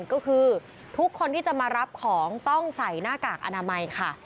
ก็คือทุกคนที่จะมารับของต้องใส่หน้ากากอนามัยค่ะ